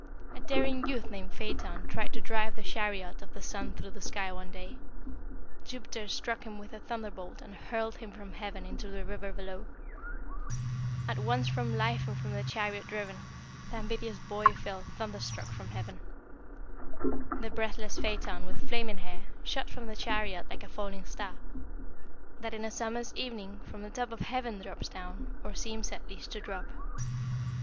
A daring youth named Phaeton tried to drive the chariot of the sun through the sky one day. Jupiter struck him with a thunderbolt, and hurled him from heaven into the river below. [Illustration: RIVER ERIDANUS.] "'At once from life and from the chariot driven, Th' ambitious boy fell thunderstruck from heaven. The breathless Phaeton, with flaming hair, Shot from the chariot like a falling star That in a summer's evening from the top Of heaven drops down, or seems at least to drop.'